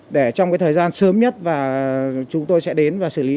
để trong cái thời gian sớm nhất và chúng tôi sẽ đến và xử lý